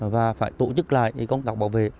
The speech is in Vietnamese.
và phải tổ chức lại công tạc bảo vệ